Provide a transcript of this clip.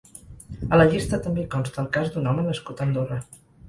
A la llista també hi consta el cas d’un home nascut a Andorra.